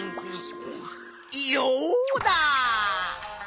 ヨウダ！